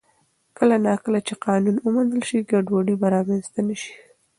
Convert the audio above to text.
کله نا کله چې قانون ومنل شي، ګډوډي به رامنځته نه شي.